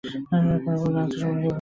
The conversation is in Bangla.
পরিপূর্ণ আত্মসমর্পণে কী প্রচণ্ড উল্লাস!